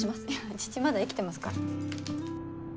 父まだ生きてますから。